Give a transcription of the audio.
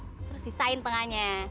terus sisain tengahnya